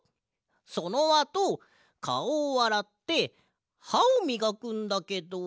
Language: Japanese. そのあとかおをあらってはをみがくんだけど。